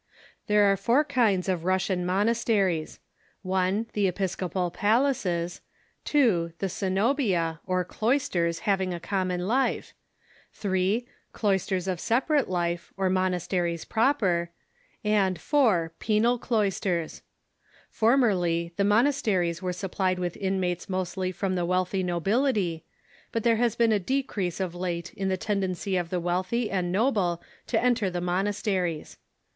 There are four kinds of Russian monasteries : 1. The episcopal palaces ; 2. The coenobia, or cloisters having a common life ; 3. Cloisters of separate life, or monasteries proper ; and, 4, Penal cloisters. Formerly the monasteries were supplied with inmates mostly from the wealthy nobility, but there has been a decrease of late in the tendency of the wealthy and noble to enter the monasteries.